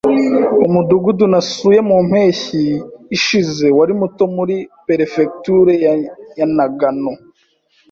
Umudugudu nasuye mu mpeshyi ishize wari muto muri perefegitura ya Nagano.